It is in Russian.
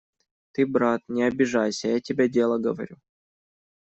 Ты, брат, не обижайся, я тебе дело говорю.